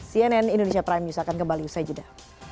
cnn indonesia prime news akan kembali usai jeda